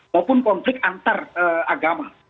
maupun konflik antaragama